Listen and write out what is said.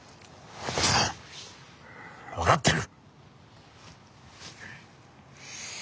分かってる！